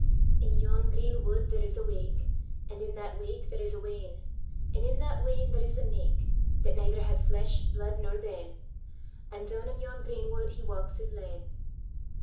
In yon green wood there is a waik, And in that waik there is a wene, And in that wene there is a maike, That neither has flesh, blood, nor bane; And down in yon green wood he walks his lane.